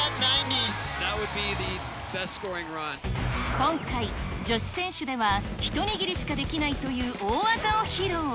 今回、女子選手では一握りしかできないという大技を披露。